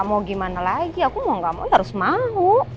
mau gimana lagi aku mau gak mau harus mau